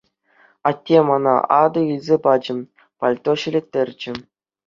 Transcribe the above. Атте мана атӑ илсе пачӗ, пальто ҫӗлеттерчӗ.